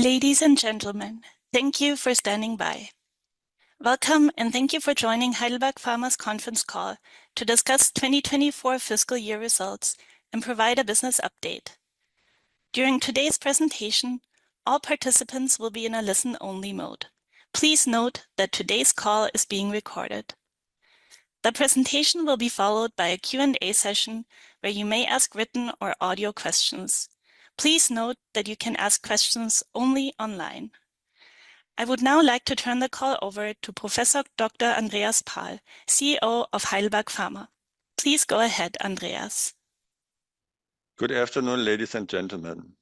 Ladies and gentlemen, thank you for standing by. Welcome, and thank you for joining Heidelberg Pharma's Conference Call to discuss 2024 fiscal year results and provide a business update. During today's presentation, all participants will be in a listen-only mode. Please note that today's call is being recorded. The presentation will be followed by a Q&A session where you may ask written or audio questions. Please note that you can ask questions only online. I would now like to turn the call over to Professor Doctor Andreas Pahl, CEO of Heidelberg Pharma. Please go ahead, Andreas. Good afternoon, ladies and gentlemen,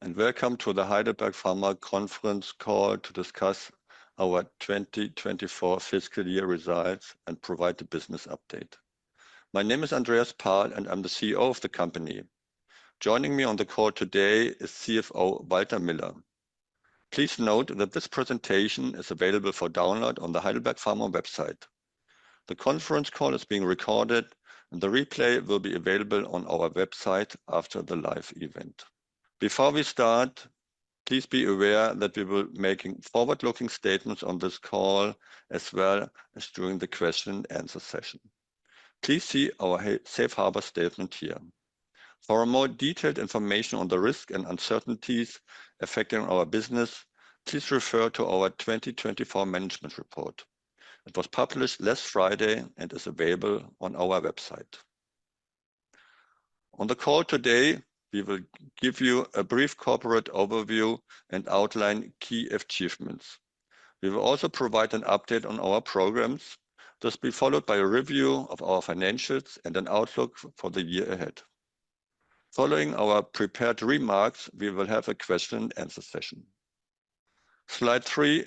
and welcome to the Heidelberg Pharma Conference Call to discuss our 2024 fiscal year results and provide the business update. My name is Andreas Pahl, and I'm the CEO of the company. Joining me on the call today is CFO Walter Miller. Please note that this presentation is available for download on the Heidelberg Pharma website. The conference call is being recorded, and the replay will be available on our website after the live event. Before we start, please be aware that we will making forward-looking statements on this call as well as during the question and answer session. Please see our Safe Harbor statement here. For a more detailed information on the risk and uncertainties affecting our business, please refer to our 2024 management report. It was published last Friday and is available on our website. On the call today, we will give you a brief corporate overview and outline key achievements. We will also provide an update on our programs. This will be followed by a review of our financials and an outlook for the year ahead. Following our prepared remarks, we will have a question and answer session. Slide 3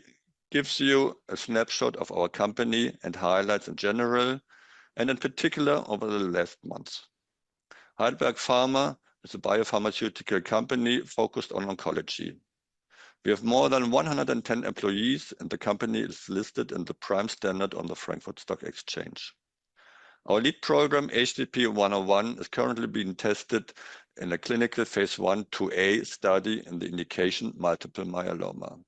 gives you a snapshot of our company and highlights in general, and in particular over the last months. Heidelberg Pharma is a biopharmaceutical company focused on oncology. We have more than 110 employees. The company is listed in the Prime Standard on the Frankfurt Stock Exchange. Our lead program, HDP-101, is currently being tested in a clinical phase I/II-A study in the indication multiple myeloma.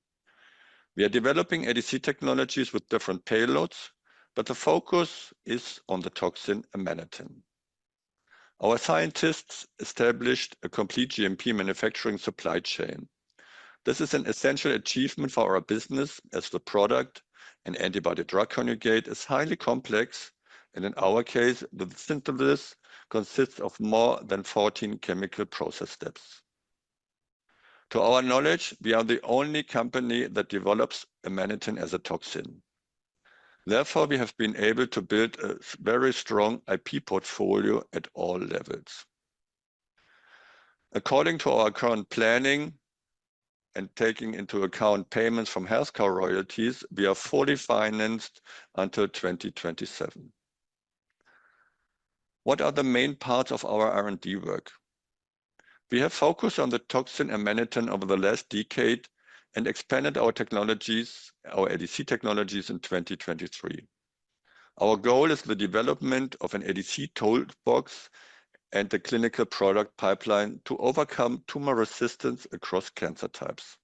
We are developing ADC technologies with different payloads, but the focus is on the toxin Amanitin. Our scientists established a complete GMP manufacturing supply chain. This is an essential achievement for our business as the product and Antibody-Drug Conjugate is highly complex, and in our case, the synthesis consists of more than 14 chemical process steps. To our knowledge, we are the only company that develops Amanitin as a toxin. We have been able to build a very strong IP portfolio at all levels. According to our current planning and taking into account payments from HealthCare Royalty, we are fully financed until 2027. What are the main parts of our R&D work? We have focused on the toxin Amanitin over the last decade and expanded our technologies, our ADC technologies in 2023. Our goal is the development of an ADC toolbox and the clinical product pipeline to overcome tumor resistance across cancer types.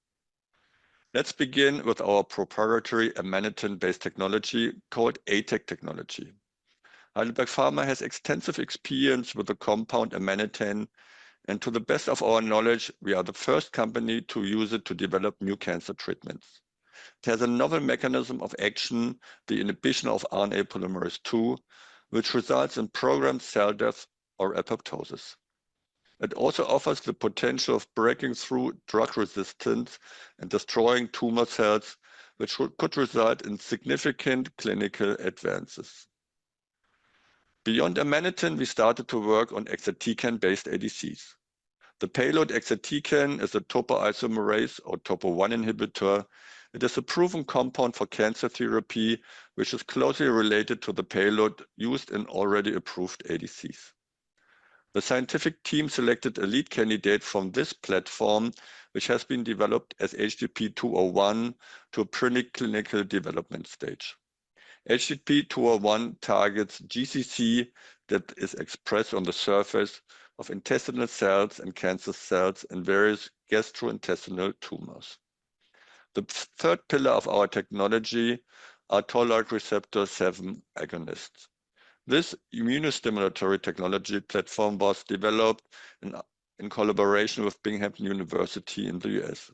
Let's begin with our proprietary Amanitin-based technology called ATAC technology. Heidelberg Pharma has extensive experience with the compound Amanitin, and to the best of our knowledge, we are the first company to use it to develop new cancer treatments. It has another mechanism of action, the inhibition of RNA polymerase II, which results in programmed cell death or apoptosis. It also offers the potential of breaking through drug resistance and destroying tumor cells, which could result in significant clinical advances. Beyond Amanitin, we started to work on Exatecan-based ADCs. The payload Exatecan is a topoisomerase or Topo I inhibitor. It is a proven compound for cancer therapy, which is closely related to the payload used in already approved ADCs. The scientific team selected a lead candidate from this platform, which has been developed as HDP-201 to a preclinical development stage. HDP-201 targets GCC that is expressed on the surface of intestinal cells and cancer cells and various gastrointestinal tumors. The third pillar of our technology are Toll-like receptor 7 agonists. This immunostimulatory technology platform was developed in collaboration with Binghamton University in the U.S.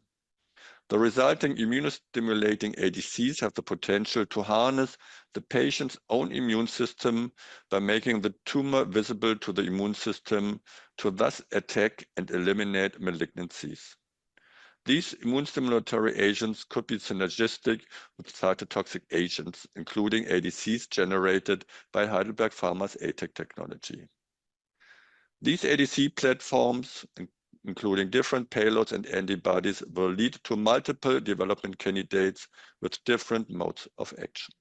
The resulting immunostimulating ADCs have the potential to harness the patient's own immune system by making the tumor visible to the immune system to thus attack and eliminate malignancies. These immune stimulatory agents could be synergistic with cytotoxic agents, including ADCs generated by Heidelberg Pharma's ATAC technology. These ADC platforms including different payloads and antibodies, will lead to multiple development candidates with different modes of action.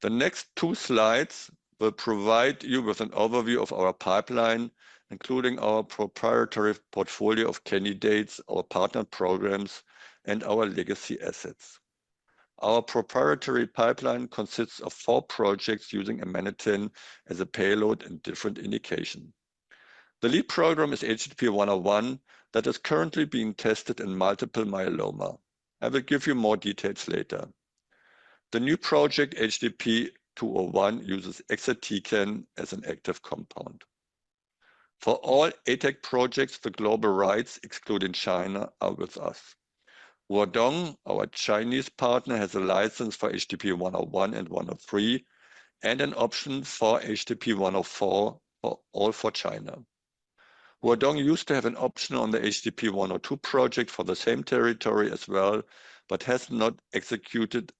The next two slides will provide you with an overview of our pipeline, including our proprietary portfolio of candidates, our partner programs, and our legacy assets. Our proprietary pipeline consists of four projects using Amanitin as a payload in different indications. The lead program is HDP-101 that is currently being tested in multiple myeloma. I will give you more details later. The new project, HDP-201, uses Exatecan as an active compound. For all ATAC projects, the global rights excluding China are with us. Huadong, our Chinese partner, has a license for HDP-101 and HDP-103, and an option for HDP-104, all for China. Huadong used to have an option on the HDP-102 project for the same territory as well, but has not executed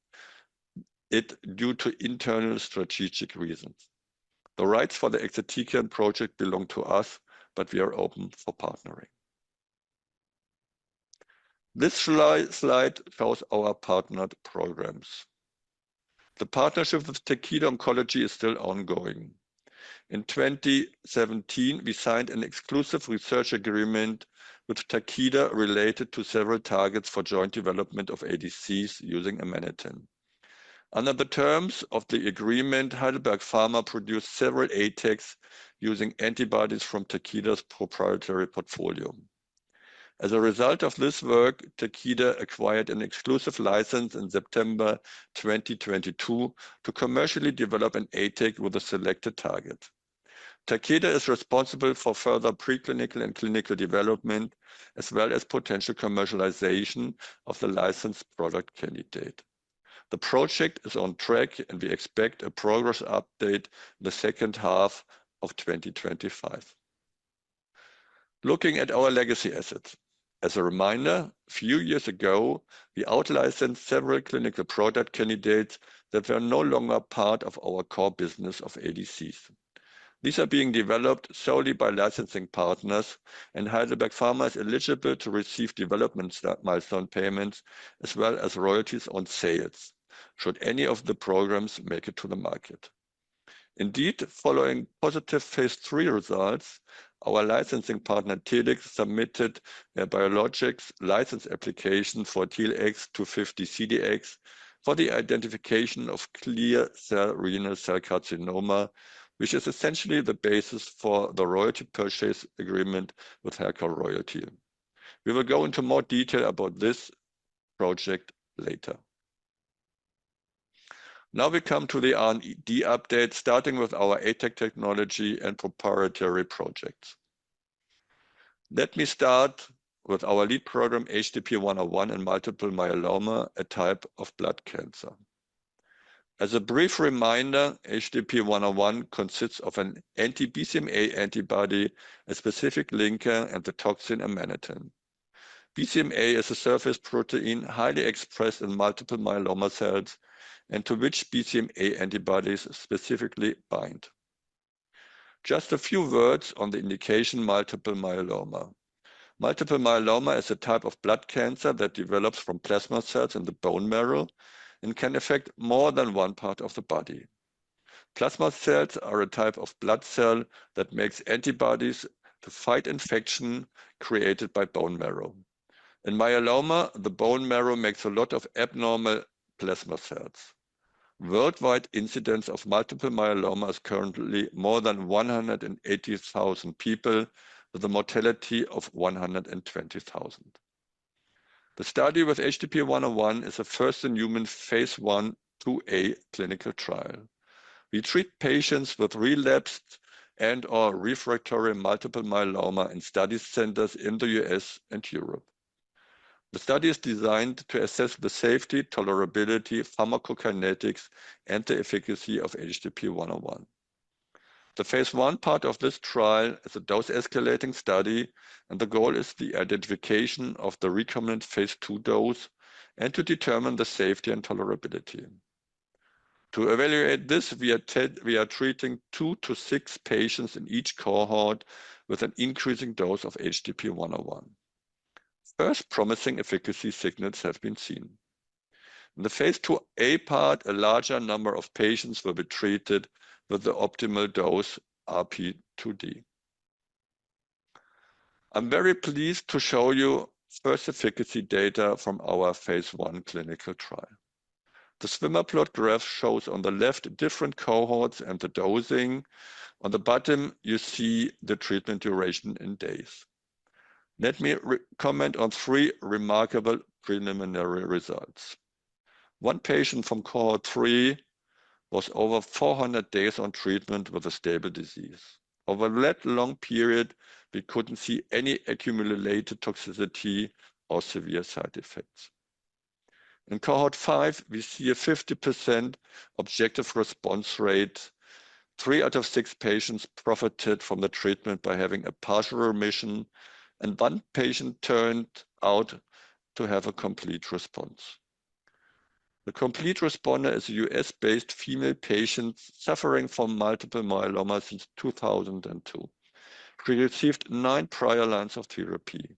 it due to internal strategic reasons. The rights for the Exatecan project belong to us, but we are open for partnering. This slide shows our partnered programs. The partnership with Takeda Oncology is still ongoing. In 2017, we signed an exclusive research agreement with Takeda related to several targets for joint development of ADCs using Amanitin. Under the terms of the agreement, Heidelberg Pharma produced several ATACs using antibodies from Takeda's proprietary portfolio. As a result of this work, Takeda acquired an exclusive license in September 2022 to commercially develop an ATAC with a selected target. Takeda is responsible for further preclinical and clinical development, as well as potential commercialization of the licensed product candidate. The project is on track. We expect a progress update the second half of 2025. Looking at our legacy assets, as a reminder, a few years ago, we out-licensed several clinical product candidates that were no longer part of our core business of ADCs. These are being developed solely by licensing partners, and Heidelberg Pharma is eligible to receive development milestone payments as well as royalties on sales should any of the programs make it to the market. Indeed, following positive phase III results, our licensing partner, Telix, submitted a Biologics License Application for TLX250-CDx for the identification of clear cell renal cell carcinoma, which is essentially the basis for the royalty purchase agreement with HealthCare Royalty. We will go into more detail about this project later. Now we come to the R&D update, starting with our ATAC technology and proprietary projects. Let me start with our lead program, HDP-101, in multiple myeloma, a type of blood cancer. As a brief reminder, HDP-101 consists of an anti-BCMA antibody, a specific linker, and the toxin Amanitin. BCMA is a surface protein highly expressed in multiple myeloma cells, and to which BCMA antibodies specifically bind. Just a few words on the indication, multiple myeloma. Multiple myeloma is a type of blood cancer that develops from plasma cells in the bone marrow and can affect more than one part of the body. Plasma cells are a type of blood cell that makes antibodies to fight infection created by bone marrow. In myeloma, the bone marrow makes a lot of abnormal plasma cells. Worldwide incidence of multiple myeloma is currently more than 180,000 people, with a mortality of 120,000. The study with HDP-101 is a first-in-human phase I/II-A clinical trial. We treat patients with relapsed and/or refractory multiple myeloma in study centers in the U.S. and Europe. The study is designed to assess the safety, tolerability, pharmacokinetics, and the efficacy of HDP-101. The phase I part of this trial is a dose-escalating study, and the goal is the identification of the recommended phase II dose and to determine the safety and tolerability. To evaluate this, we are treating two to six patients in each cohort with an increasing dose of HDP-101. First promising efficacy signals have been seen. In the phase II-A part, a larger number of patients will be treated with the optimal dose RP2D. I'm very pleased to show you first efficacy data from our phase I clinical trial. The swimmer plot graph shows on the left different cohorts and the dosing. On the bottom, you see the treatment duration in days. Let me comment on three remarkable preliminary results. One patient from cohort three was over 400 days on treatment with a stable disease. Over that long period, we couldn't see any accumulated toxicity or severe side effects. In cohort five, we see a 50% objective response rate. Three out of six patients profited from the treatment by having a partial remission, and one patient turned out to have a complete response. The complete responder is a U.S.-based female patient suffering from multiple myeloma since 2002. She received nine prior lines of therapy.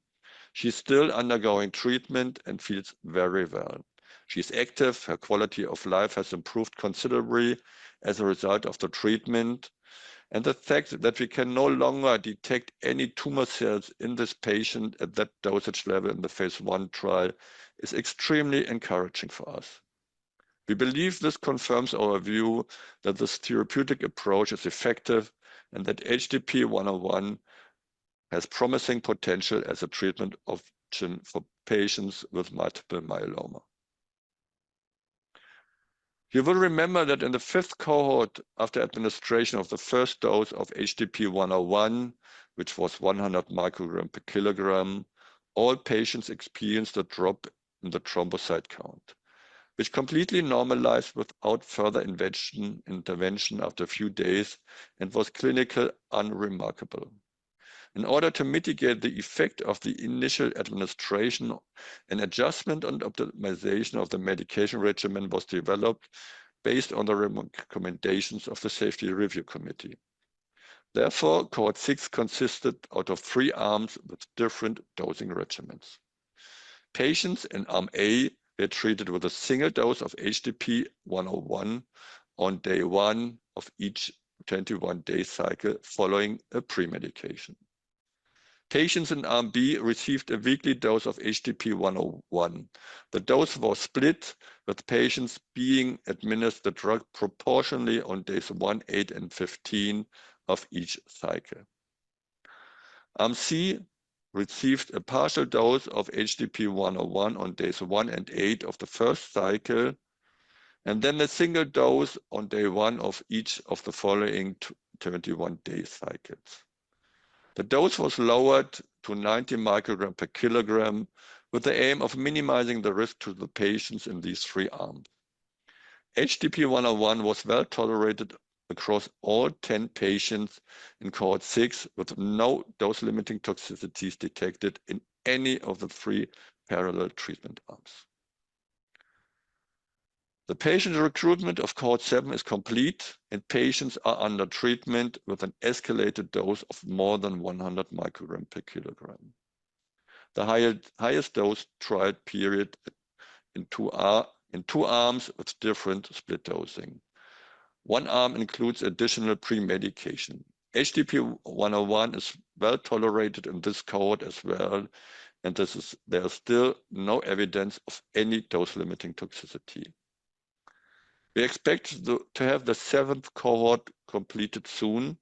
She's still undergoing treatment and feels very well. She's active. Her quality of life has improved considerably as a result of the treatment. The fact that we can no longer detect any tumor cells in this patient at that dosage level in the phase I trial is extremely encouraging for us. We believe this confirms our view that this therapeutic approach is effective and that HDP-101 has promising potential as a treatment option for patients with multiple myeloma. You will remember that in the fifth cohort after administration of the first dose of HDP-101, which was 100 mcg/kg, all patients experienced a drop in the thrombocyte count, which completely normalized without further intervention after a few days and was clinically unremarkable. In order to mitigate the effect of the initial administration, an adjustment and optimization of the medication regimen was developed based on the recommendations of the Safety Review Committee. Cohort six consisted out of three arms with different dosing regimens. Patients in arm A were treated with a single dose of HDP-101 on day one of each 21-day cycle following a pre-medication. Patients in arm B received a weekly dose of HDP-101. The dose was split, with patients being administered the drug proportionally on days one, eight, and 15 of each cycle. Arm C received a partial dose of HDP-101 on days one and eight of the first cycle, and then a single dose on day one of each of the following 31-day cycles. The dose was lowered to 90 mcg/kg with the aim of minimizing the risk to the patients in these three arms. HDP-101 was well-tolerated across all 10 patients in cohort six, with no dose-limiting toxicities detected in any of the three parallel treatment arms. The patient recruitment of cohort seven is complete, and patients are under treatment with an escalated dose of more than 100 mcg/kg. The highest dose trial period in two arms with different split dosing. One arm includes additional pre-medication. HDP-101 is well-tolerated in this cohort as well, and there is still no evidence of any dose-limiting toxicity. We expect to have the seventh cohort completed soon.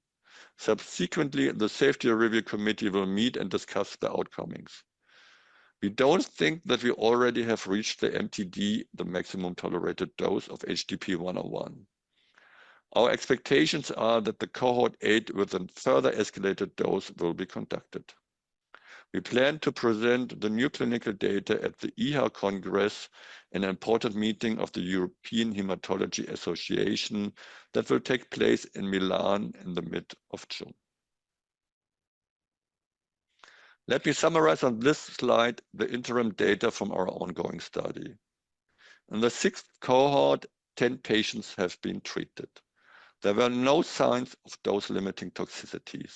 Subsequently, the Safety Review Committee will meet and discuss the outcomes. We don't think that we already have reached the MTD, the maximum tolerated dose, of HDP-101. Our expectations are that the cohort eight with a further escalated dose will be conducted. We plan to present the new clinical data at the EHA Congress, an important meeting of the European Hematology Association, that will take place in Milan in mid-June. Let me summarize on this slide the interim data from our ongoing study. In the sixth cohort, 10 patients have been treated. There were no signs of dose-limiting toxicities.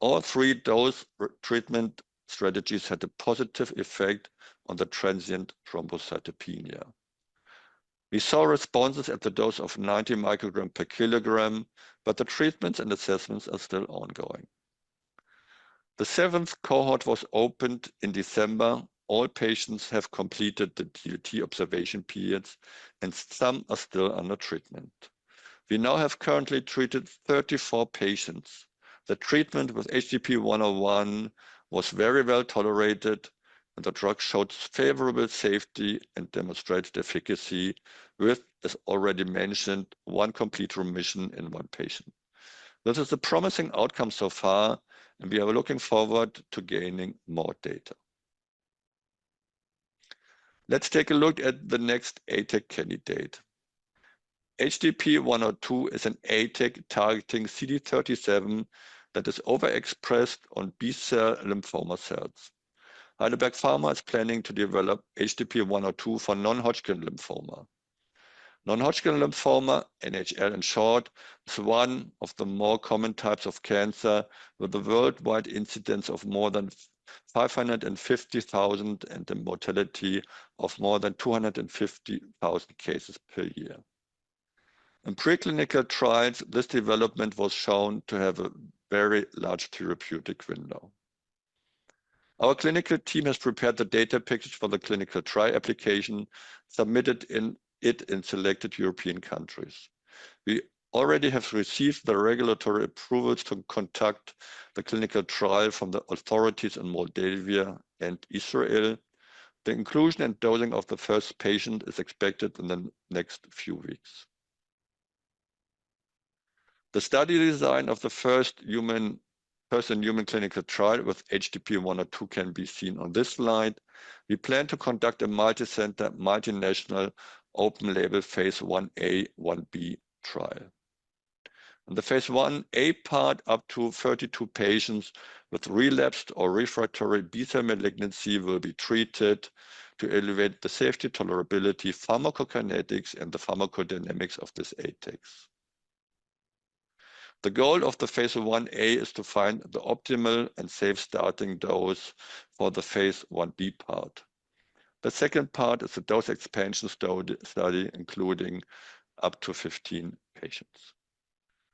All three treatment strategies had a positive effect on the transient thrombocytopenia. We saw responses at the dose of 90 mcg/kg, the treatments and assessments are still ongoing. The seventh cohort was opened in December. All patients have completed the DoT observation periods, some are still under treatment. We now have currently treated 34 patients. The treatment with HDP-101 was very well-tolerated, the drug showed favorable safety and demonstrated efficacy with, as already mentioned, one complete remission in one patient. This is a promising outcome so far, we are looking forward to gaining more data. Let's take a look at the next ATAC candidate. HDP-102 is an ATAC targeting CD37 that is overexpressed on B-cell lymphoma cells. Heidelberg Pharma is planning to develop HDP-102 for non-Hodgkin lymphoma. Non-Hodgkin lymphoma, NHL in short, is one of the more common types of cancer with a worldwide incidence of more than 550,000 and a mortality of more than 250,000 cases per year. In preclinical trials, this development was shown to have a very large therapeutic window. Our clinical team has prepared the data package for the clinical trial application, submitted in it in selected European countries. We already have received the regulatory approvals to conduct the clinical trial from the authorities in Moldova and Israel. The inclusion and dosing of the first patient is expected in the next few weeks. The study design of the first human clinical trial with HDP-102 can be seen on this slide. We plan to conduct a multicenter, multinational open-label phase I-A/I-B trial. In the phase I-A part, up to 32 patients with relapsed or refractory B-cell malignancy will be treated to evaluate the safety tolerability, pharmacokinetics, and the pharmacodynamics of this ATACs. The goal of the phase I-A is to find the optimal and safe starting dose for the phase I-B part. The second part is a dose expansion study including up to 15 patients.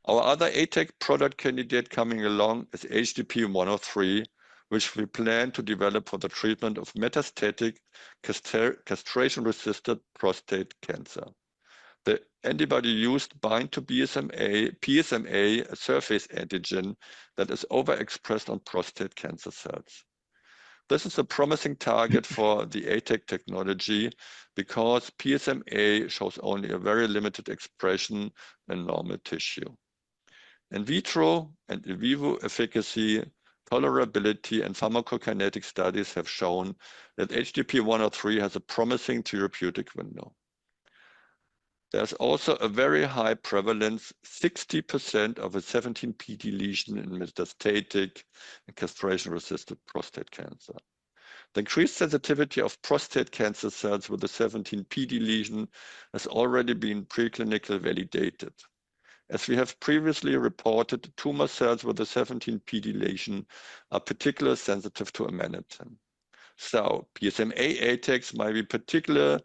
Our other ATAC product candidate coming along is HDP-103, which we plan to develop for the treatment of metastatic castration-resistant prostate cancer. The antibody used bind to PSMA surface antigen that is overexpressed on prostate cancer cells. This is a promising target for the ATAC technology because PSMA shows only a very limited expression in normal tissue. In vitro and in vivo efficacy, tolerability, and pharmacokinetic studies have shown that HDP-103 has a promising therapeutic window. There is also a very high prevalence, 60% of a 17p deletion in metastatic castration-resistant prostate cancer. The increased sensitivity of prostate cancer cells with the 17p deletion has already been preclinical validated. As we have previously reported, tumor cells with the 17p deletion are particularly sensitive to Amanitin. PSMA ATACs might be particularly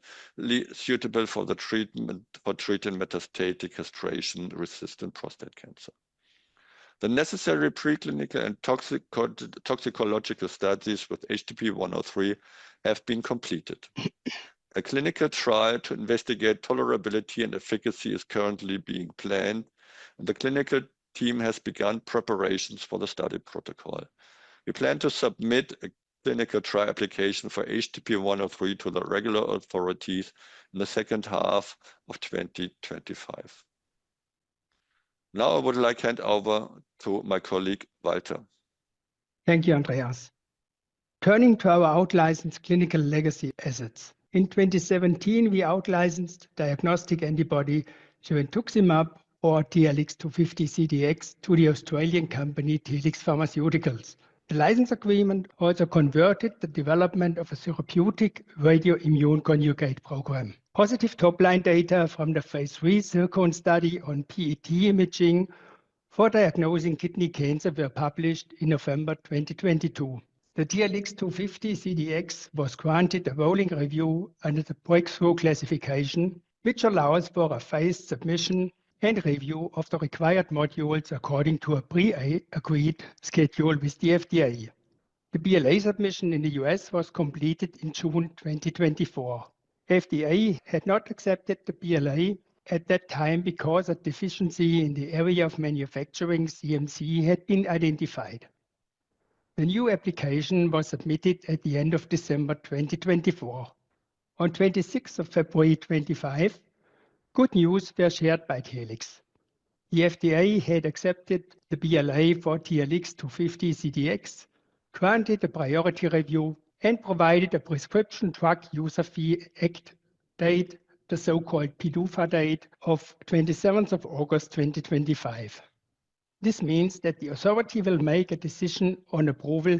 suitable for the treatment or treating metastatic castration-resistant prostate cancer. The necessary preclinical and toxicological studies with HDP-103 have been completed. A clinical trial to investigate tolerability and efficacy is currently being planned. The clinical team has begun preparations for the study protocol. We plan to submit a clinical trial application for HDP-103 to the regular authorities in the second half of 2025. I would like hand over to my colleague, Walter Miller. Thank you, Andreas. Turning to our out-licensed clinical legacy assets. In 2017, we out-licensed diagnostic antibody girentuximab or TLX250-CDx to the Australian company, Telix Pharmaceuticals. The license agreement also converted the development of a therapeutic radioimmune conjugate program. Positive top-line data from the phase III ZIRCON study on PET imaging for diagnosing kidney cancer were published in November 2022. The TLX250-CDx was granted a rolling review under the breakthrough classification, which allows for a phased submission and review of the required modules according to a pre-agreed schedule with the FDA. The BLA submission in the U.S. was completed in June 2024. FDA had not accepted the BLA at that time because a deficiency in the area of manufacturing CMC had been identified. The new application was submitted at the end of December 2024. On February 26, 2025, good news were shared by Telix. The FDA had accepted the BLA for TLX250-CDx, granted a priority review, and provided a Prescription Drug User Fee Act date, the so-called PDUFA date of August 27, 2025. This means that the authority will make a decision on approval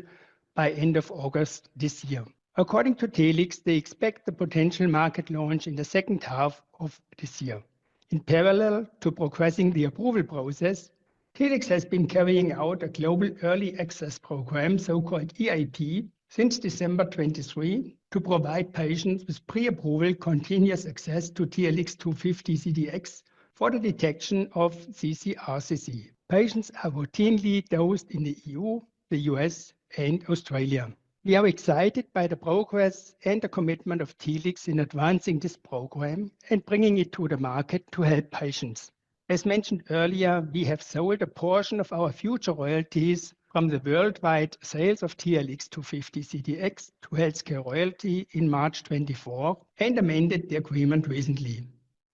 by end of August this year. According to Telix, they expect the potential market launch in the second half of this year. In parallel to progressing the approval process, Telix has been carrying out a global early access program, so-called EAP, since December 2023 to provide patients with pre-approval continuous access to TLX250-CDx for the detection of ccRCC. Patients are routinely dosed in the EU, the U.S., and Australia. We are excited by the progress and the commitment of Telix in advancing this program and bringing it to the market to help patients. As mentioned earlier, we have sold a portion of our future royalties from the worldwide sales of TLX250-CDx to HealthCare Royalty in March 2024 and amended the agreement recently.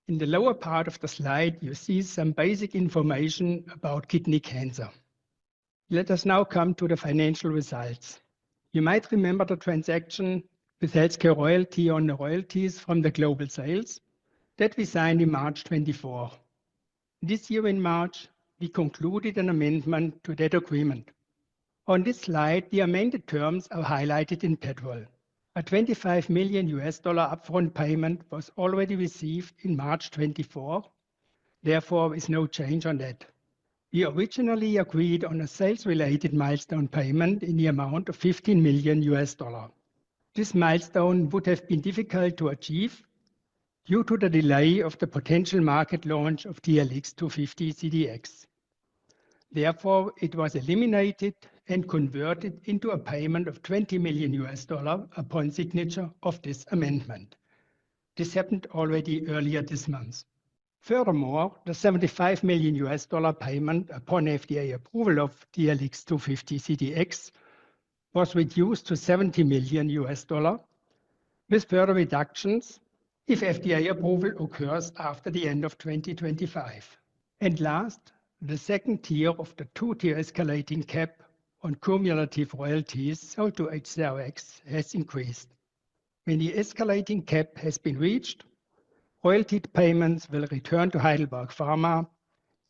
In the lower part of the slide, you see some basic information about kidney cancer. Let us now come to the financial results. You might remember the transaction with HealthCare Royalty on the royalties from the global sales that we signed in March 2024. This year in March, we concluded an amendment to that agreement. On this slide, the amended terms are highlighted in petrol. A $25 million upfront payment was already received in March 2024. Therefore, there is no change on that. We originally agreed on a sales-related milestone payment in the amount of $15 million. This milestone would have been difficult to achieve due to the delay of the potential market launch of TLX250-CDx. Therefore, it was eliminated and converted into a payment of $20 million upon signature of this amendment. This happened already earlier this month. The $75 million payment upon FDA approval of TLX250-CDx was reduced to $70 million with further reductions if FDA approval occurs after the end of 2025. Last, the second tier of the two-tier escalating cap on cumulative royalties sold to HCRx has increased. When the escalating cap has been reached, royalty payments will return to Heidelberg Pharma,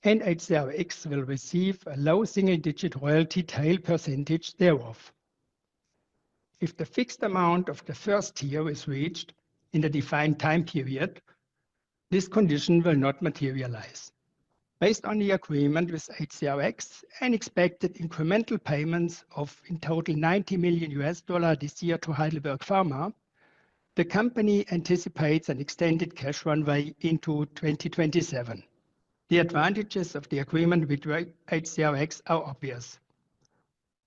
and HCRx will receive a low single-digit royalty tail percentage thereof. If the fixed amount of the first tier is reached in the defined time period, this condition will not materialize. Based on the agreement with HCRx and expected incremental payments of in total $90 million this year to Heidelberg Pharma. The company anticipates an extended cash runway into 2027. The advantages of the agreement with HCRx are obvious.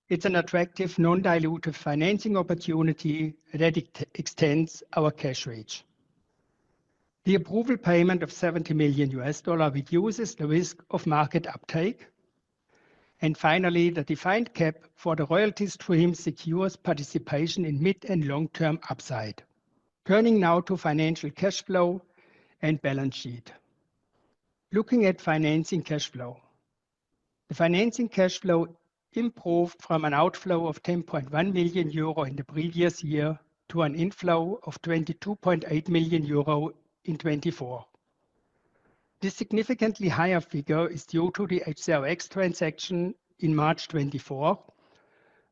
It's an attractive non-dilutive financing opportunity that extends our cash reach. The approval payment of $70 million reduces the risk of market uptake. Finally, the defined cap for the royalty stream secures participation in mid and long-term upside. Turning now to financial cash flow and balance sheet. Looking at financing cash flow. The financing cash flow improved from an outflow of 10.1 million euro in the previous year to an inflow of 22.8 million euro in 2024. This significantly higher figure is due to the HCRx transaction in March 2024,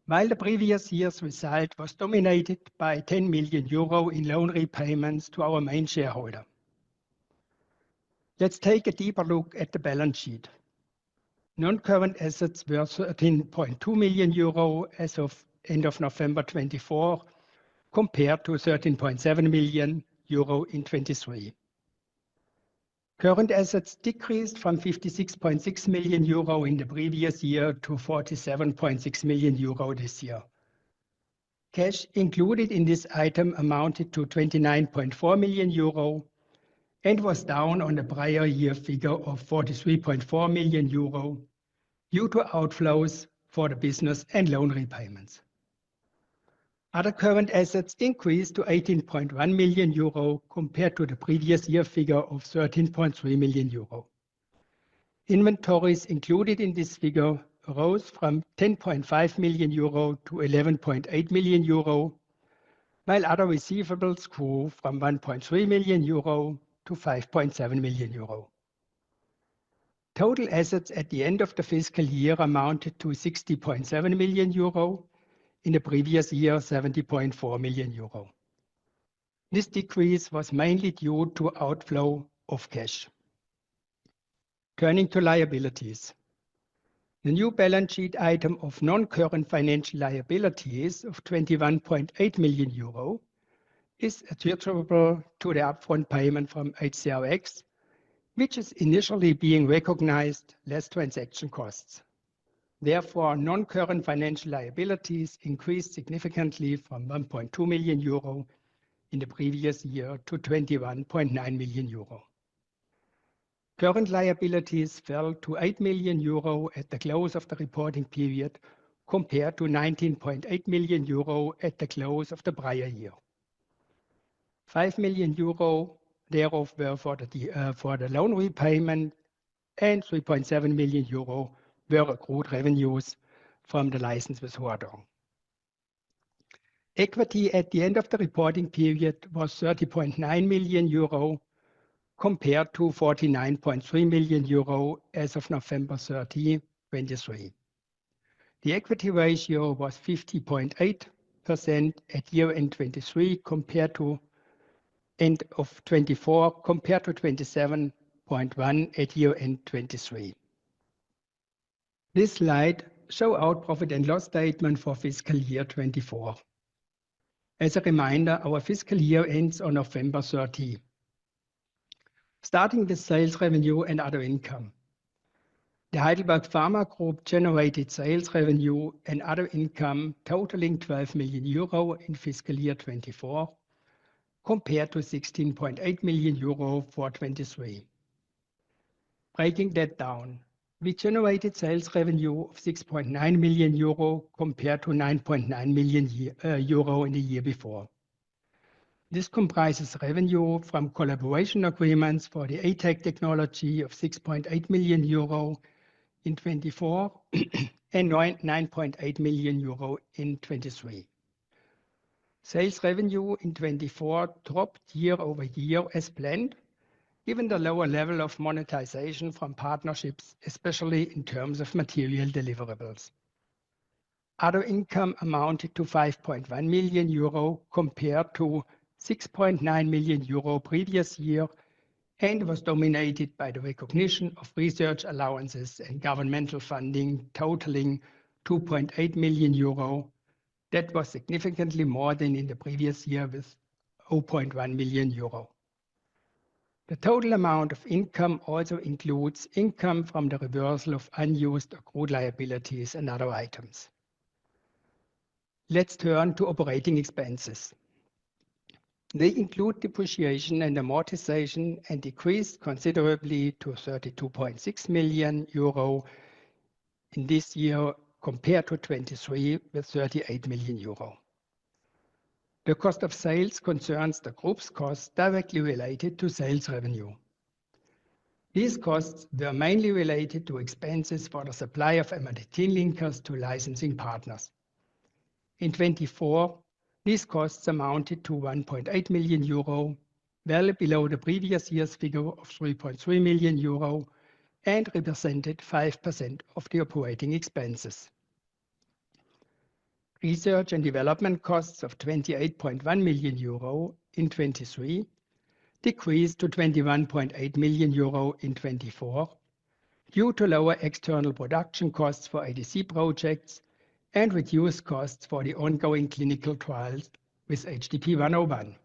while the previous year's result was dominated by 10 million euro in loan repayments to our main shareholder. Let's take a deeper look at the balance sheet. Non-current assets were 13.2 million euro as of end of November 2024, compared to 13.7 million euro in 2023. Current assets decreased from 56.6 million euro in the previous year to 47.6 million euro this year. Cash included in this item amounted to 29.4 million euro and was down on the prior year figure of 43.4 million euro due to outflows for the business and loan repayments. Other current assets increased to 18.1 million euro compared to the previous year figure of 13.3 million euro. Inventories included in this figure rose from 10.5 million euro to 11.8 million euro, while other receivables grew from 1.3 million euro to 5.7 million euro. Total assets at the end of the fiscal year amounted to 60.7 million euro. In the previous year, 70.4 million euro. This decrease was mainly due to outflow of cash. Turning to liabilities. The new balance sheet item of non-current financial liabilities of 21.8 million euro is attributable to the upfront payment from HCRx, which is initially being recognized less transaction costs. Therefore, non-current financial liabilities increased significantly from 1.2 million euro in the previous year to 21.9 million euro. Current liabilities fell to 8 million euro at the close of the reporting period compared to 19.8 million euro at the close of the prior year. 5 million euro thereof were for the loan repayment, and 3.7 million euro were accrued revenues from the license with Huadong. Equity at the end of the reporting period was 30.9 million euro compared to 49.3 million euro as of November 30, 2023. The equity ratio was 50.8% at year-end 2023 compared to end of 2024, compared to 27.1% at year-end 2023. This slide show our profit and loss statement for fiscal year 2024. As a reminder, our fiscal year ends on November 30. Starting with sales revenue and other income. The Heidelberg Pharma Group generated sales revenue and other income totaling 12 million euro in FY 2024 compared to 16.8 million euro for 2023. Breaking that down, we generated sales revenue of 6.9 million euro compared to 9.9 million euro in the year before. This comprises revenue from collaboration agreements for the ATAC technology of 6.8 million euro in 2024 and 9.8 million euro in 2023. Sales revenue in 2024 dropped year-over-year as planned, given the lower level of monetization from partnerships, especially in terms of material deliverables. Other income amounted to 5.1 million euro compared to 6.9 million euro previous year and was dominated by the recognition of research allowances and governmental funding totaling 2.8 million euro. That was significantly more than in the previous year with 0.1 million euro. The total amount of income also includes income from the reversal of unused accrued liabilities and other items. Let's turn to operating expenses. They include depreciation and amortization and decreased considerably to 32.6 million euro in this year, compared to 2023 with 38 million euro. The cost of sales concerns the group's costs directly related to sales revenue. These costs were mainly related to expenses for the supply of ATAC linkers to licensing partners. In 2024, these costs amounted to 1.8 million euro, well below the previous year's figure of 3.3 million euro, and represented 5% of the operating expenses. Research and development costs of 28.1 million euro in 2023 decreased to 21.8 million euro in 2024. Due to lower external production costs for ADC projects and reduced costs for the ongoing clinical trials with HDP-101.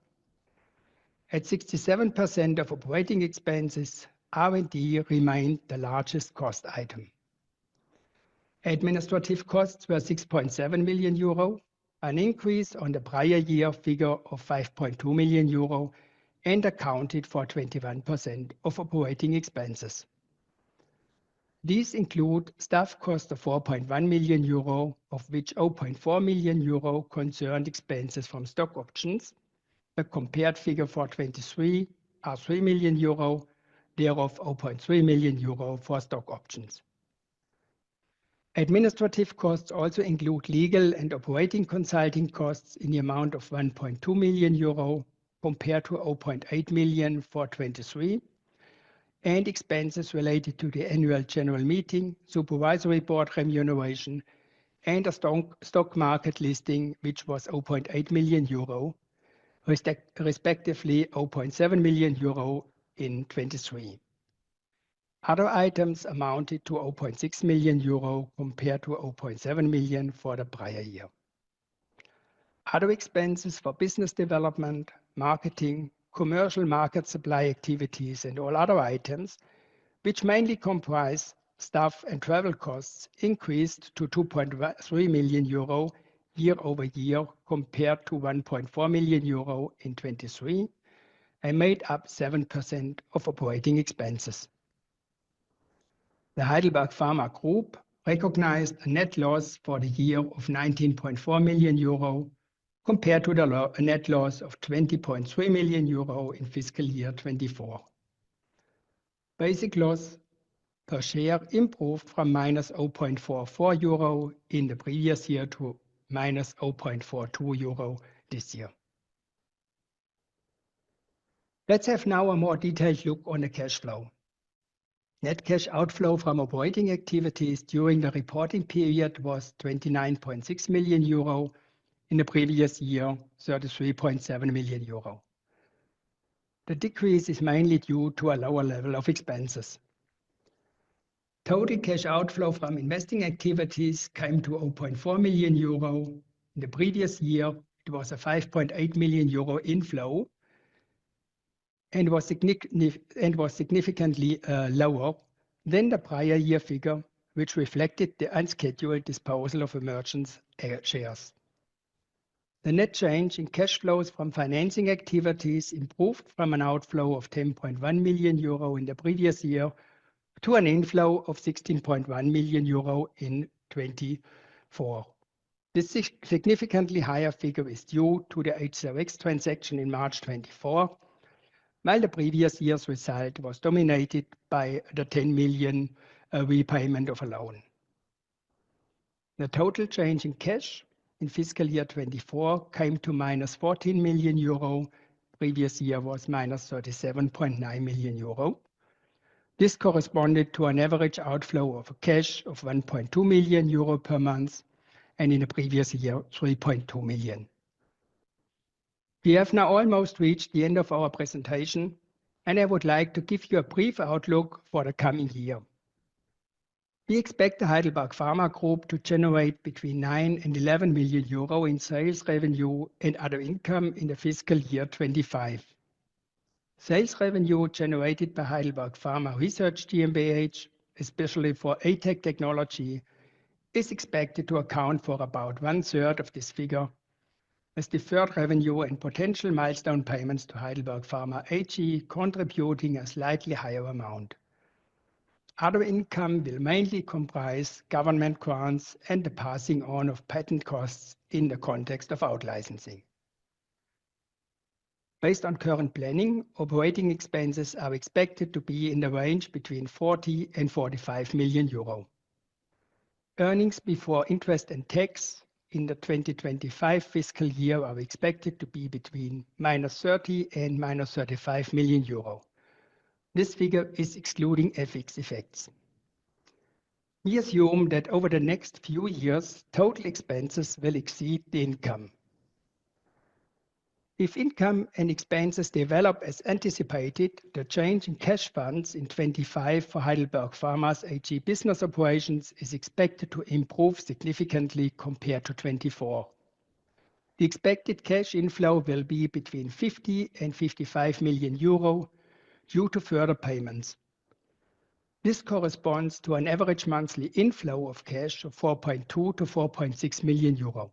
At 67% of operating expenses, R&D remained the largest cost item. Administrative costs were 6.7 million euro, an increase on the prior year figure of 5.2 million euro and accounted for 21% of operating expenses. These include staff cost of 4.1 million euro, of which 0.4 million euro concerned expenses from stock options. The compared figure for 2023 are 3 million euro, thereof 0.3 million euro for stock options. Administrative costs also include legal and operating consulting costs in the amount of 1.2 million euro, compared to 0.8 million for 2023, and expenses related to the annual general meeting, supervisory board remuneration, and a stock market listing, which was 0.8 million euro, respectively 0.7 million euro in 2023. Other items amounted to 0.6 million euro, compared to 0.7 million for the prior year. Other expenses for business development, marketing, commercial market supply activities, and all other items, which mainly comprise staff and travel costs, increased to 2.3 million euro year-over-year, compared to 1.4 million euro in 2023, and made up 7% of operating expenses. The Heidelberg Pharma Group recognized a net loss for the year of 19.4 million euro, compared to a net loss of 20.3 million euro in FY 2024. Basic loss per share improved from minus 0.44 euro in the previous year to minus 0.42 euro this year. Let's have now a more detailed look on the cash flow. Net cash outflow from operating activities during the reporting period was 29.6 million euro. In the previous year, 33.7 million euro. The decrease is mainly due to a lower level of expenses. Total cash outflow from investing activities came to 0.4 million euro. In the previous year, it was a 5.8 million euro inflow and was significantly lower than the prior year figure, which reflected the unscheduled disposal of Emergence's shares. The net change in cash flows from financing activities improved from an outflow of 10.1 million euro in the previous year to an inflow of 16.1 million euro in 2024. This significantly higher figure is due to the HCRx transaction in March 2024, while the previous year's result was dominated by the 10 million repayment of a loan. The total change in cash in fiscal year 2024 came to minus 14 million euro. Previous year was minus 37.9 million euro. This corresponded to an average outflow of cash of 1.2 million euro per month, and in the previous year, 3.2 million. We have now almost reached the end of our presentation. I would like to give you a brief outlook for the coming year. We expect the Heidelberg Pharma Group to generate between 9 million and 11 million euro in sales revenue and other income in the fiscal year 2025. Sales revenue generated by Heidelberg Pharma Research GmbH, especially for ATAC technology, is expected to account for about one-third of this figure as deferred revenue and potential milestone payments to Heidelberg Pharma AG, contributing a slightly higher amount. Other income will mainly comprise government grants and the passing on of patent costs in the context of out-licensing. Based on current planning, operating expenses are expected to be in the range between 40 million and 45 million euro. Earnings before interest and tax in the 2025 fiscal year are expected to be between minus 30 million and minus 35 million euro. This figure is excluding FX effects. We assume that over the next few years, total expenses will exceed the income. If income and expenses develop as anticipated, the change in cash funds in 2025 for Heidelberg Pharma AG business operations is expected to improve significantly compared to 2024. The expected cash inflow will be between 50 million and 55 million euro due to further payments. This corresponds to an average monthly inflow of cash of 4.2 million to 4.6 million euro.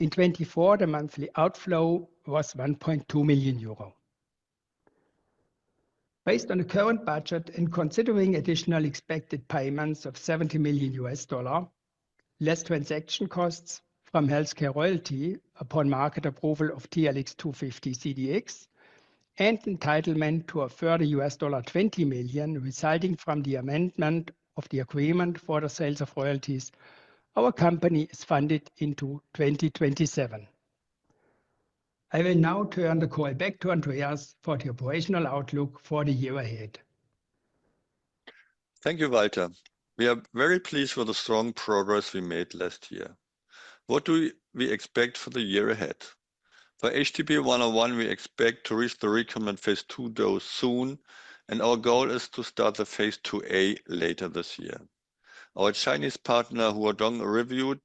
In 2024, the monthly outflow was 1.2 million euro. Based on the current budget and considering additional expected payments of $70 million, less transaction costs from HealthCare Royalty upon market approval of TLX250-CDx and entitlement to a further $20 million resulting from the amendment of the agreement for the sales of royalties, our company is funded into 2027. I will now turn the call back to Andreas for the operational outlook for the year ahead. Thank you, Walter. We are very pleased with the strong progress we made last year. What do we expect for the year ahead? For HDP-101, we expect to reach the recommend phase II dose soon, and our goal is to start the phase II-A later this year. Our Chinese partner, Huadong reviewed,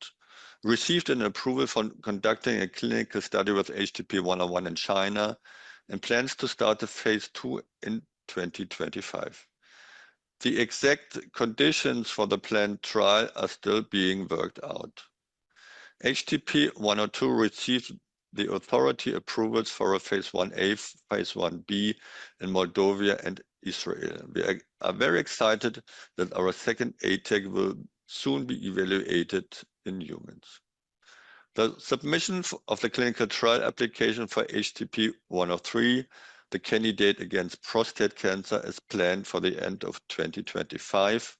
received an approval for conducting a clinical study with HDP-101 in China and plans to start the phase II in 2025. The exact conditions for the planned trial are still being worked out. HDP-102 received the authority approvals for a phase I-A, phase I-B in Moldova and Israel. We are very excited that our second ADC will soon be evaluated in humans. The submission of the clinical trial application for HDP-103, the candidate against prostate cancer, is planned for the end of 2025.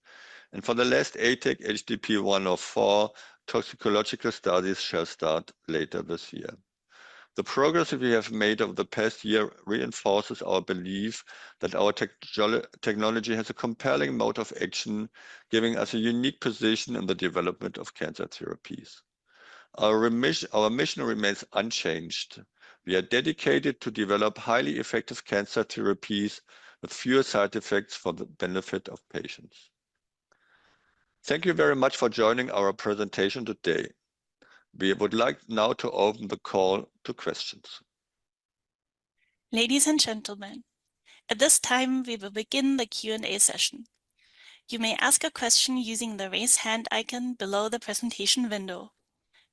For the last ATAC, HDP-104, toxicological studies shall start later this year. The progress that we have made over the past year reinforces our belief that our technology has a compelling mode of action, giving us a unique position in the development of cancer therapies. Our mission remains unchanged. We are dedicated to develop highly effective cancer therapies with fewer side effects for the benefit of patients. Thank you very much for joining our presentation today. We would like now to open the call to questions. Ladies and gentlemen, at this time, we will begin the Q&A session. You may ask a question using the raise hand icon below the presentation window.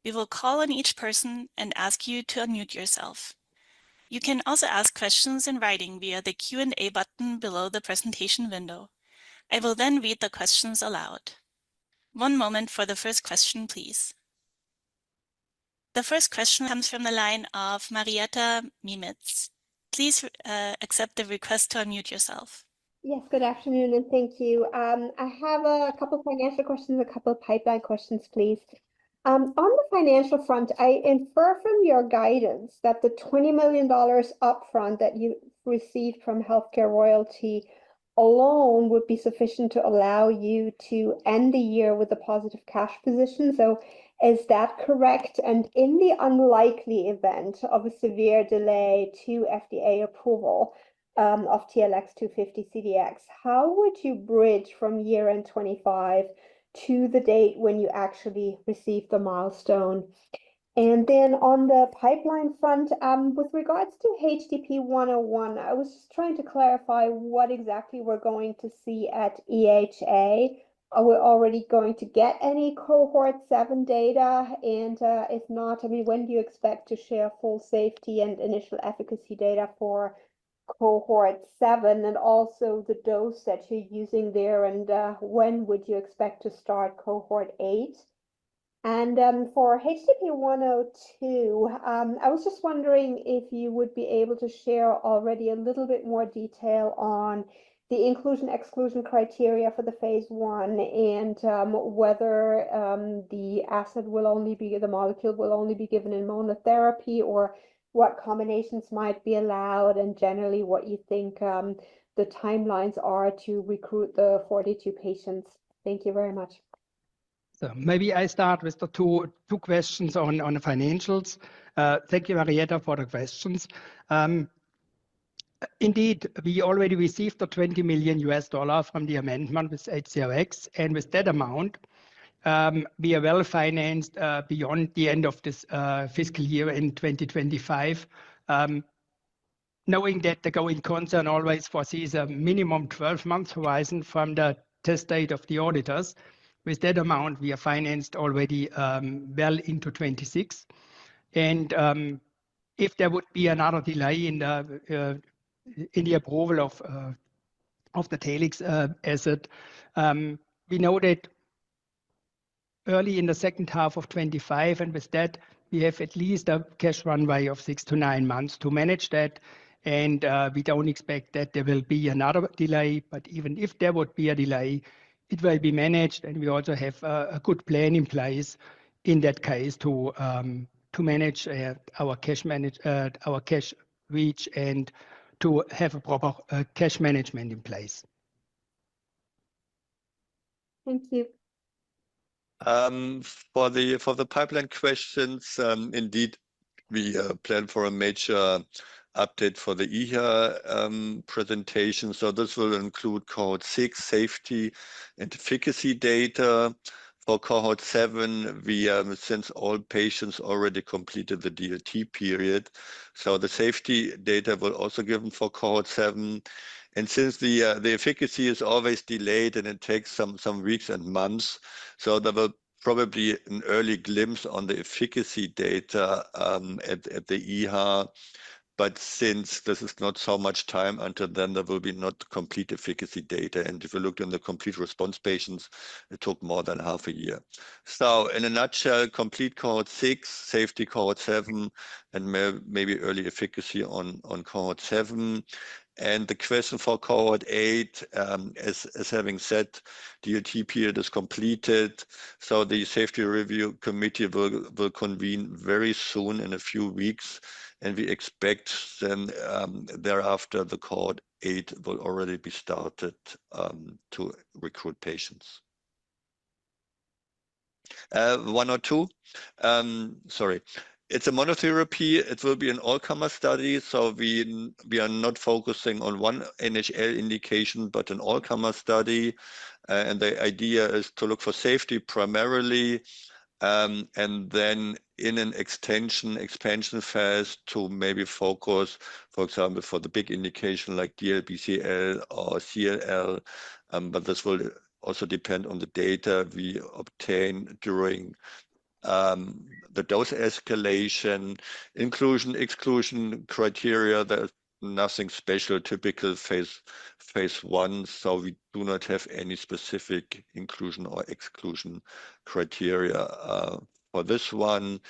We will call on each person and ask you to unmute yourself. You can also ask questions in writing via the Q&A button below the presentation window. I will then read the questions aloud. One moment for the first question, please. The first question comes from the line of [Marietta Miemietz]. Please accept the request to unmute yourself. Yes, good afternoon, thank you. I have a couple financial questions, a couple pipeline questions, please. On the financial front, I infer from your guidance that the $20 million upfront that you received from HealthCare Royalty alone would be sufficient to allow you to end the year with a positive cash position. Is that correct? In the unlikely event of a severe delay to FDA approval of TLX250-CDx, how would you bridge from year-end 2025 to the date when you actually receive the milestone? On the pipeline front, with regards to HDP-101, I was just trying to clarify what exactly we're going to see at EHA. Are we already going to get any cohort seven data? If not, I mean, when do you expect to share full safety and initial efficacy data for cohort seven and also the dose that you're using there, when would you expect to start cohort eight? For HDP-102, I was just wondering if you would be able to share already a little bit more detail on the inclusion/exclusion criteria for the phase I and whether the molecule will only be given in monotherapy or what combinations might be allowed and generally what you think the timelines are to recruit the 42 patients. Thank you very much. Maybe I start with the two questions on the financials. Thank you, [Marietta], for the questions. Indeed, we already received the $20 million from the amendment with HCRx, and with that amount, we are well-financed beyond the end of this fiscal year in 2025. Knowing that the going concern always foresees a minimum 12-month horizon from the test date of the auditors, with that amount, we are financed already well into 2026. If there would be another delay in the approval of the Telix asset, we know that early in the second half of 2025, and with that, we have at least a cash runway of six to nine months to manage that. We don't expect that there will be another delay, but even if there would be a delay, it will be managed, and we also have a good plan in place in that case to manage our cash reach and to have a proper cash management in place. Thank you. For the pipeline questions, indeed, we plan for a major update for the EHA presentation. This will include cohort six safety and efficacy data for cohort seven. We since all patients already completed the DoT period, so the safety data will also given for cohort seven. Since the efficacy is always delayed and it takes some weeks and months, there will probably an early glimpse on the efficacy data at the EHA. Since this is not so much time until then, there will be not complete efficacy data. If you look on the complete response patients, it took more than half a year. In a nutshell, complete cohort six, safety cohort seven, and maybe early efficacy on cohort seven. The question for cohort eight, as having said, DLT period is completed, so the Safety Review Committee will convene very soon in a few weeks. We expect thereafter, cohort eight will already be started to recruit patients. One or two. Sorry. It is a monotherapy. It will be an all-comer study. We are not focusing on one NHL indication, but an all-comer study. The idea is to look for safety primarily, and then in an extension, expansion phase to maybe focus, for example, for the big indication like DLBCL or CLL. This will also depend on the data we obtain during the dose escalation. Inclusion/exclusion criteria, there is nothing special, typical phase I. We do not have any specific inclusion or exclusion criteria for this one.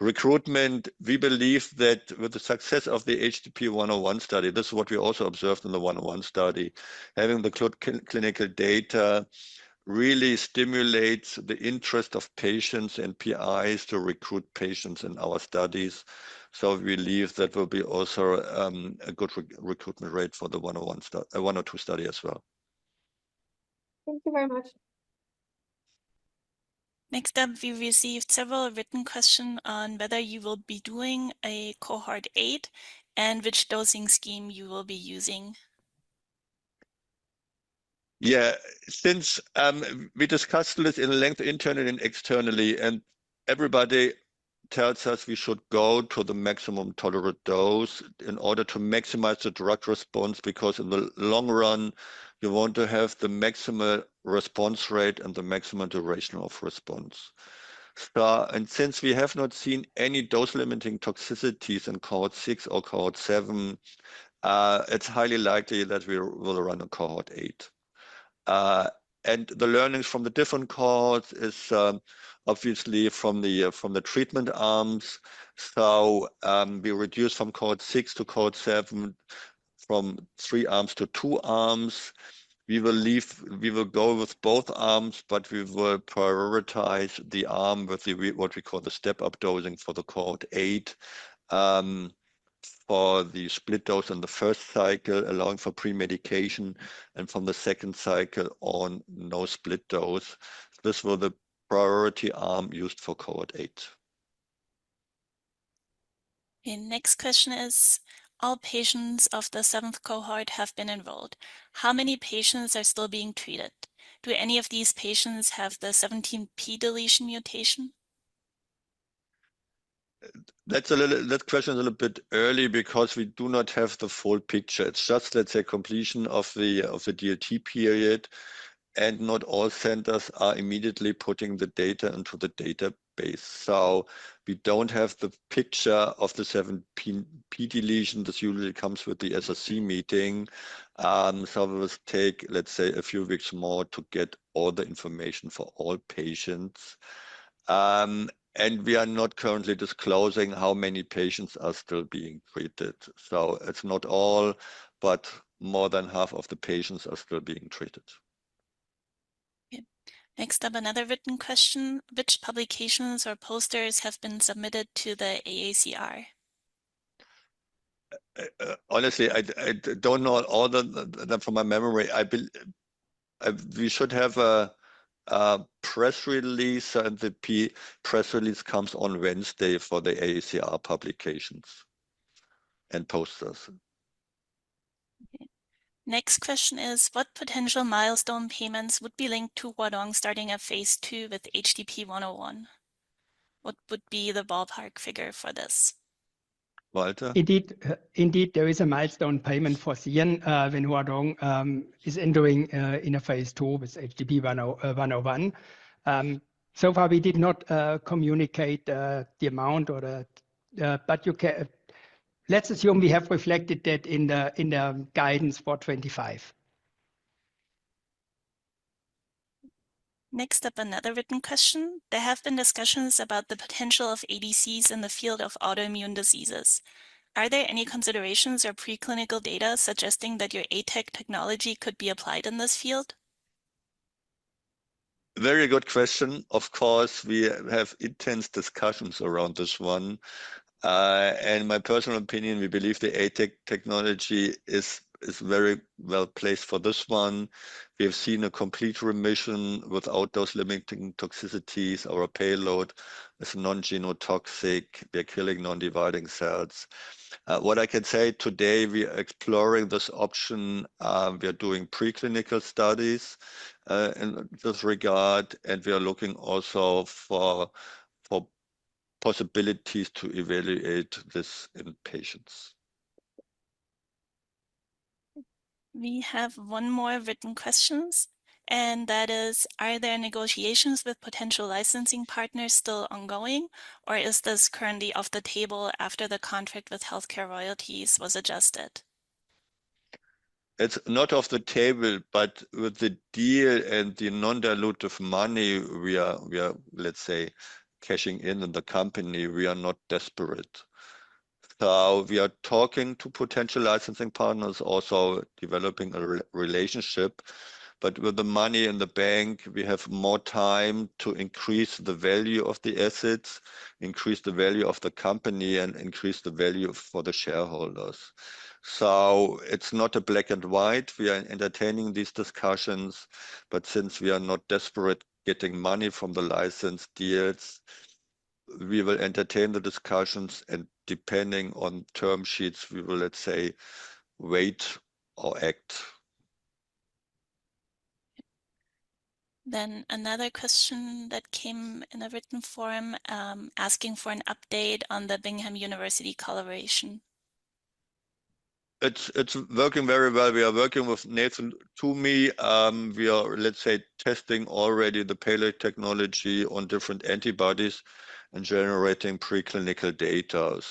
Recruitment, we believe that with the success of the HDP-101 study, this is what we also observed in the 101 study. Having the clinical data really stimulates the interest of patients and PIs to recruit patients in our studies. We believe that will be also a good recruitment rate for the 102 study as well. Thank you very much. Next up, we've received several written questions on whether you will be doing a cohort eight and which dosing scheme you will be using? Yeah. Since we discussed this in length internally and externally, and everybody tells us we should go to the maximum tolerant dose in order to maximize the direct response, because in the long run, we want to have the maximum response rate and the maximum duration of response. Since we have not seen any dose-limiting toxicities in cohort six or cohort seven, it's highly likely that we will run a cohort eight. The learnings from the different cohorts is obviously from the treatment arms. We reduced from cohort six to cohort seven from three arms to two arms. We will go with both arms, but we will prioritize the arm with the what we call the step-up dosing for the cohort eight, for the split dose in the first cycle, allowing for pre-medication, and from the second cycle on, no split dose. This was the priority arm used for cohort eight. Next question is, all patients of the seventh cohort have been enrolled. How many patients are still being treated? Do any of these patients have the 17p deletion mutation? That question is a little bit early because we do not have the full picture. It's just, let's say, completion of the DLT period, and not all centers are immediately putting the data into the database. We don't have the picture of the 17p deletion that usually comes with the SSC meeting. It will take, let's say, a few weeks more to get all the information for all patients. We are not currently disclosing how many patients are still being treated. It's not all, but more than half of the patients are still being treated. Next up, another written question. Which publications or posters have been submitted to the AACR? Honestly, I don't know all the them from my memory. We should have a press release, and the press release comes on Wednesday for the AACR publications and posters. Okay. Next question is, what potential milestone payments would be linked to Huadong starting at phase II with HDP-101? What would be the ballpark figure for this? Walter? Indeed, there is a milestone payment for CN, when Huadong is entering in a phase II with HDP-101. So far we did not communicate the amount or the. Let's assume we have reflected that in the guidance for 2025. Next up, another written question. There have been discussions about the potential of ADCs in the field of autoimmune diseases. Are there any considerations or preclinical data suggesting that your ATAC technology could be applied in this field? Very good question. Of course, we have intense discussions around this one. My personal opinion, we believe the ATAC technology is very well placed for this one. We have seen a complete remission without dose-limiting toxicities. Our payload is non-genotoxic. We are killing non-dividing cells. What I can say today, we are exploring this option. We are doing preclinical studies in this regard, and we are looking also for possibilities to evaluate this in patients. We have one more written questions, and that is, are there negotiations with potential licensing partners still ongoing, or is this currently off the table after the contract with HealthCare Royalty was adjusted? It's not off the table, but with the deal and the non-dilutive money, we are, let's say, cashing in on the company. We are not desperate. We are talking to potential licensing partners, also developing a relationship, but with the money in the bank, we have more time to increase the value of the assets, increase the value of the company, and increase the value for the shareholders. It's not a black and white. We are entertaining these discussions, but since we are not desperate getting money from the license deals. We will entertain the discussions and depending on term sheets, we will, let's say, wait or act. Another question that came in a written form, asking for an update on the Binghamton University collaboration It's working very well. We are working with Nathan Tumey. We are, let's say, testing already the payload technology on different antibodies and generating preclinical data.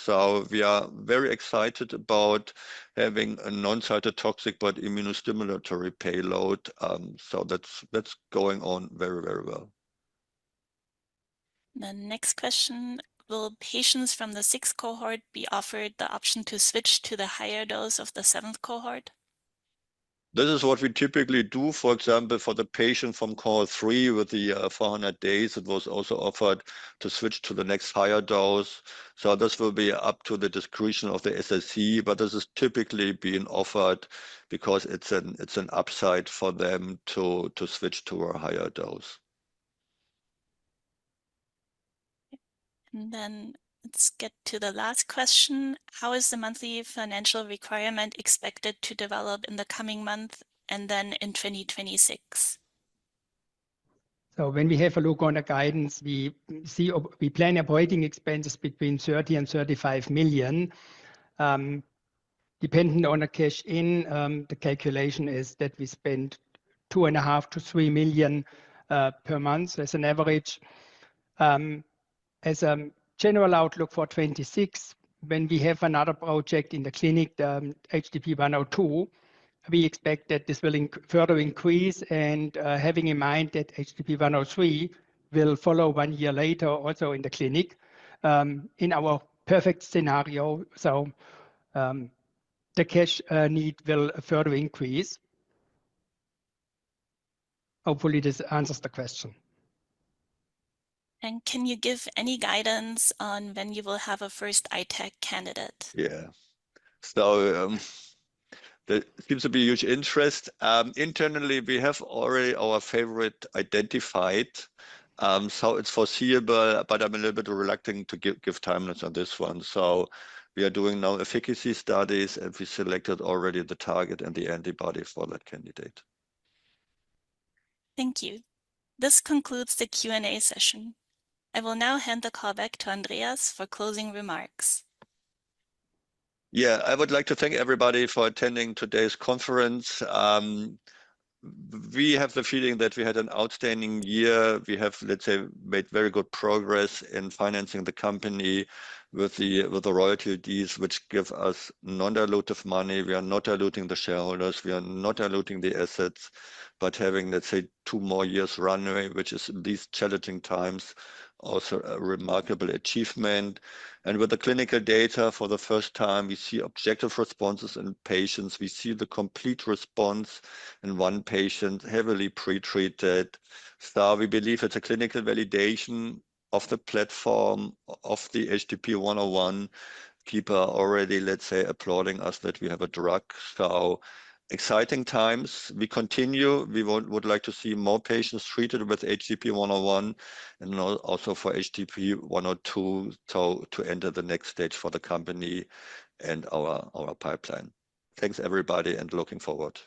We are very excited about having a non-cytotoxic but immunostimulatory payload. That's going on very well. The next question: Will patients from the sixth cohort be offered the option to switch to the higher dose of the seventh cohort? This is what we typically do. For example, for the patient from cohort three with the 400 days, it was also offered to switch to the next higher dose. This will be up to the discretion of the SRC, but this is typically being offered because it's an upside for them to switch to a higher dose. Let's get to the last question. How is the monthly financial requirement expected to develop in the coming month and then in 2026? When we have a look on the guidance, we see We plan operating expenses between 30 million and 35 million. Depending on the cash in, the calculation is that we spend 2,500,000 to 3 million per month as an average. As a general outlook for 2026, when we have another project in the clinic, HDP-102, we expect that this will further increase and, having in mind that HDP-103 will follow one year later also in the clinic, in our perfect scenario. The cash need will further increase. Hopefully, this answers the question. Can you give any guidance on when you will have a first ATAC candidate? Yeah. There seems to be huge interest. Internally, we have already our favorite identified, it's foreseeable, but I'm a little bit reluctant to give timelines on this one. We are doing now efficacy studies, and we selected already the target and the antibody for that candidate. Thank you. This concludes the Q&A session. I will now hand the call back to Andreas for closing remarks. I would like to thank everybody for attending today's conference. We have the feeling that we had an outstanding year. We have, let's say, made very good progress in financing the company with the, with the royalty fees, which give us non-dilutive money. We are not diluting the shareholders. We are not diluting the assets, but having, let's say, two more years runway, which is, in these challenging times, also a remarkable achievement. With the clinical data, for the first time, we see objective responses in patients. We see the complete response in one patient, heavily pre-treated. We believe it's a clinical validation of the platform of the HDP-101. People are already, let's say, applauding us that we have a drug. Exciting times. We continue. We would like to see more patients treated with HDP-101 and also for HDP-102 to enter the next stage for the company and our pipeline. Thanks, everybody, and looking forward.